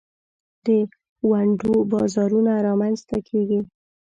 د ونډو بازارونه رامینځ ته کیږي.